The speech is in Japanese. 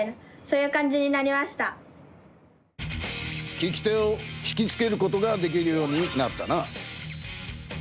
聞き手を引きつけることができるようになったな。